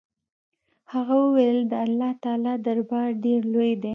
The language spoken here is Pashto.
هغه وويل د الله تعالى دربار ډېر لوى دې.